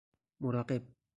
مراقب